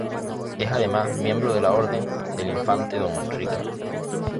Es además miembro de la Orden del Infante Don Enrique.